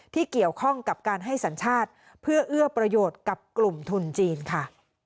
ที่เกี่ยวข้องกับการให้สัญชาติเพื่อเอื้อประโยชน์กับกลุ่มทุนจีนค่ะ